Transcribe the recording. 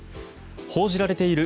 報じられている